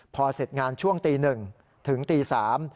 พอเสร็จงานช่วงตีหนึ่งถึงตีสาม